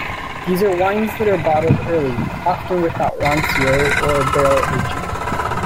These are wines that are bottled early, often without "rancio" or barrel aging.